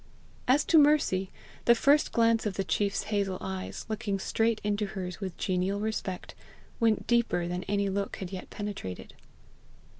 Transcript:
As to Mercy, the first glance of the chiefs hazel eyes, looking straight into hers with genial respect, went deeper than any look had yet penetrated.